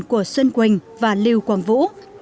của xuân quỳnh và lưu quảng vũ